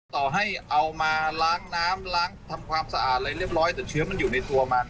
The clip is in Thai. ต่อให้เอามาล้างน้ำล้างทำความสะอาดอะไรเรียบร้อยแต่เชื้อมันอยู่ในตัวมัน